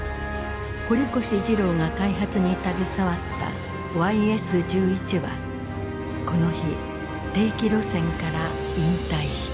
堀越二郎が開発に携わったＹＳ−１１はこの日定期路線から引退した。